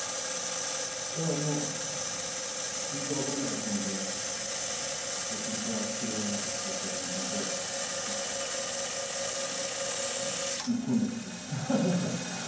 いやあもう全然分からなかったんで審判が霧馬山勝ちと言ったら本当にこうなっちゃってました。